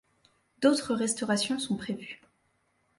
D'autres restaurations sont prévues.